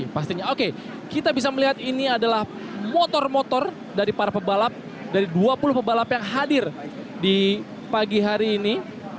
pastinya oke kita bisa melihat ini adalah motor motor dari para pebalap dari dua puluh pebalap yang hadir di pagi hari ini